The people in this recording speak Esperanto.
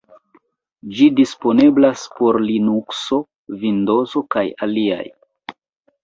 Ĝi disponeblas por Linukso, Vindozo kaj aliaj.